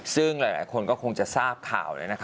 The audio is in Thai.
ซึ่งหลายคนก็คงจะทราบข่าว